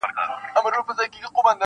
د پیر بابا له برکته بارانونه لیکي -